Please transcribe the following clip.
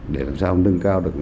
để làm sao nâng cao được